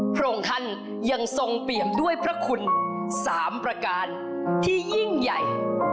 พระองค์ท่านยังทรงเปรียมด้วยพระคุณ๓ประการที่ยิ่งใหญ่